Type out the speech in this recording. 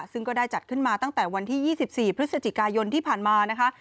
ซึ่งก็ได้จัดขึ้นมาตั้งแต่วันที่๒๔พฤศจิกายนที่ผ่านมานะคะ